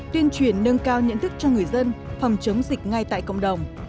tuyên truyền nâng cao nhận thức cho người dân phòng chống dịch ngay tại cộng đồng